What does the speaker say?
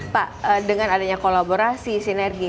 pak dengan adanya kolaborasi sinergi